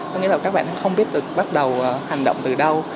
có nghĩa là các bạn không biết bắt đầu hành động từ đâu